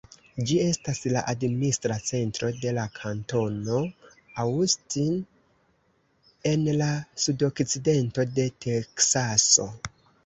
Ĝi estas la administra centro de la kantono Austin en la sudokcidento de Teksaso.